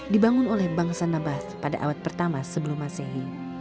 dibangun oleh bangsa nabat pada awad pertama sebelum masehi